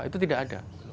itu tidak ada